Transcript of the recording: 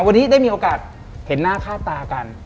วันนี้ได้มีโอกาสเห็นหน้าค่าตากัน